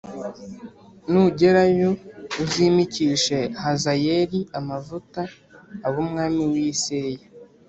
nugerayo uzimikishe Hazayeli amavuta abe umwami w’i Siriya,